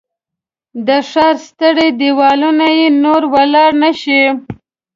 د ښار ستړي دیوالونه یې نور وړلای نه شي